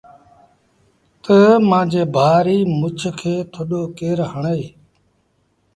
تا مآݩجي ڀآ ريٚ مڇ کي ٿڏو ڪير هڻي۔